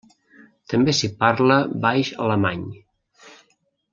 També s'hi parla baix alemany.